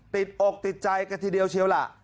อกติดใจกันทีเดียวเชียวล่ะ